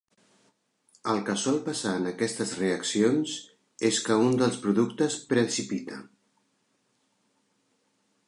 El que sol passar en aquestes reaccions és que un dels productes precipita.